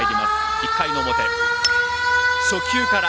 １回の表初球から。